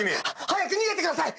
早く逃げてください！